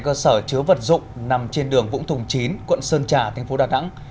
vụ cháy lớn xảy ra tại cơ sở chứa vật dụng nằm trên đường vũng thùng chín quận sơn trà tp đà nẵng